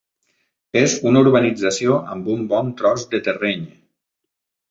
És una urbanització amb un bon tros de terreny.